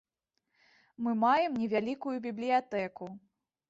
Мы маем невялікую бібліятэку.